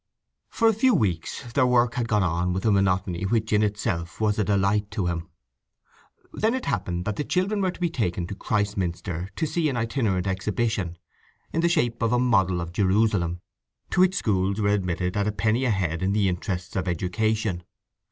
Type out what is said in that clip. For a few weeks their work had gone on with a monotony which in itself was a delight to him. Then it happened that the children were to be taken to Christminster to see an itinerant exhibition, in the shape of a model of Jerusalem, to which schools were admitted at a penny a head in the interests of education.